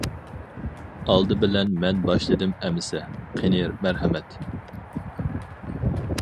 ئالدى بىلەن مەن باشلىدىم ئەمىسە، قېنى مەرھەمەت!